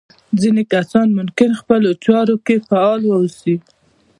ځينې کسان ممکن خپلو چارو کې فعال واوسي.